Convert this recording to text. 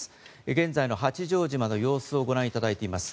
現在の八丈島の様子をご覧いただいています。